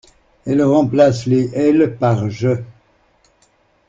Elle remplace les Elle par Je.